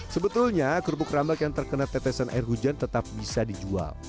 sebetulnya kerupuk rambak yang terkena tetesan air hujan tetap bisa dijual